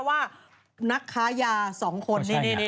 ว่านักขายาสองคน